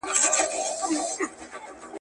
زامنو د يعقوب عليه السلام د قانع کيدو کوښښ وکړ.